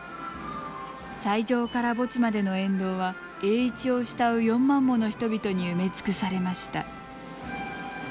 斎場から墓地までの沿道は栄一を慕う４万もの人々に埋め尽くされました。